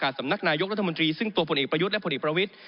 ซึ่งตัวผลเอกประยุทธ์และผลเอกประวิทธิ์